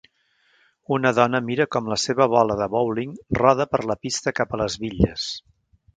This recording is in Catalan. Una dona mira com la seva bola de bowling roda per la pista cap a les bitlles.